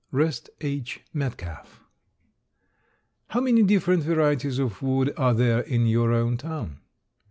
REST H. METCALF. How many different varieties of wood are there in your own town?